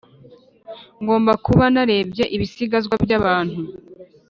ngomba kuba narebye ibisigazwa byabantu,